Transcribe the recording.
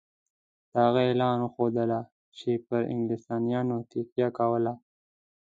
د هغه اعلان وښودله چې پر انګلیسیانو تکیه کوله.